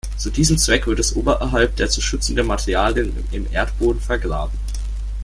Zu diesem Zweck wird es oberhalb der zu schützenden Materialien im Erdboden vergraben.